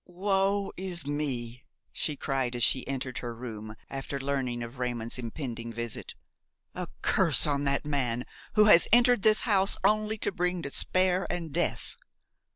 "Woe is me!" she cried as she entered her room, after learning of Raymon's impending visit. "A curse on that man, who has entered this house only to bring despair and death!